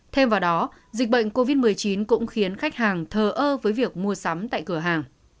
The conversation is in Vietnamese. thêm vào đó dịch bệnh covid một mươi chín cũng khiến khách hàng thờ ơ với việc mua sắm tại cửa hàng